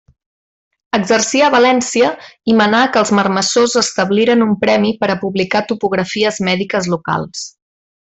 Exercia a València i manà que els marmessors establiren un premi per a publicar topografies mèdiques locals.